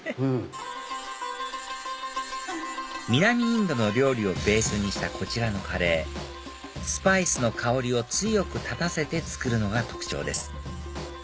南インドの料理をベースにしたこちらのカレースパイスの香りを強く立たせて作るのが特徴です